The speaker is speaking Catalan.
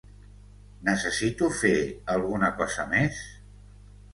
Necessito fer alguna cosa més?